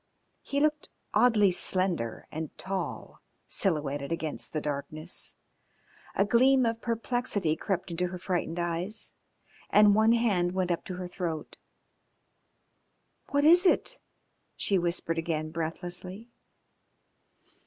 He looked oddly slender and tall silhouetted against the darkness. A gleam of perplexity crept into her frightened eyes, and one hand went up to her throat. "What is it?" she whispered again breathlessly.